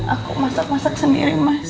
aku masak masak sendiri mas